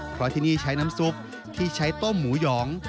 เพราะที่นี่ใช้น้ำซุปที่ใช้ต้มหมูหยอง